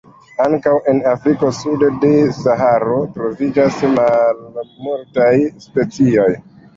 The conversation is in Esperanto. Ankaŭ en Afriko sude de Saharo troviĝas malmultaj specioj.